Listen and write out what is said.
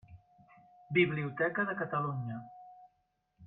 Biblioteca de Catalunya.